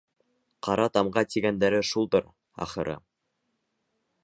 Ҡара тамға тигәндәре шулдыр, ахыры.